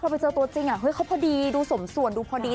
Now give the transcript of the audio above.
พอไปเจอตัวจริงเขาพอดีดูสมส่วนดูพอดี